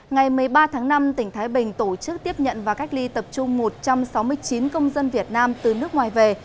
ngày một mươi ba tháng năm tỉnh thái bình tổ chức tiếp nhận và cách ly tập trung một trăm sáu mươi chín công dân việt nam từ nước ngoài về